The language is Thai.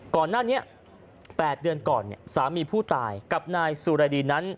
ก่อนหน้านี้๘เดือนก่อนสามีผู้ตายกับนายสุรดีนั้น